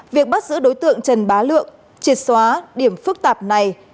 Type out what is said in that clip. việc bắt giữ đối tượng trần bá lượng triệt xóa điểm phức tạp này